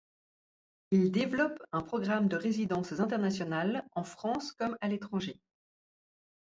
Il développe un programme de résidences internationales en France comme à l’étranger.